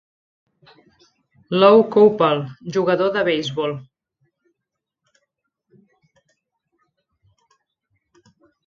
Lou Koupal, jugador de beisbol.